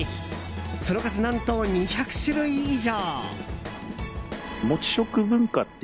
その数、何と２００種類以上。